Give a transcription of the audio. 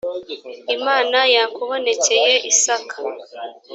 iimana yakubonekeye isaka